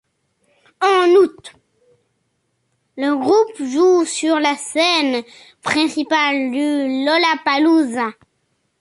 En août, le groupe joue sur la scène principale du Lollapalooza.